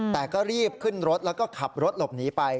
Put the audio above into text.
แต่ก็รีบขึ้นรถแล้วก็ขับรถหลบหนีไป